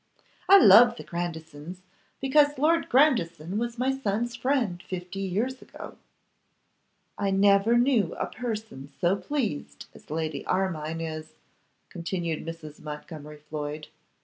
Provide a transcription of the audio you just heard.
I love the Grandisons, because Lord Grandison was my son's friend fifty years ago.' 'I never knew a person so pleased as Lady Armine is,' continued Mrs. Montgomery Floyd.